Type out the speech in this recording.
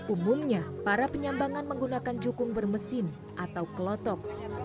umumnya para penyambangan menggunakan jukung bermesin atau kelotok